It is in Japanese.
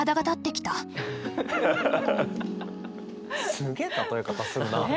すげえ例え方するな。ね。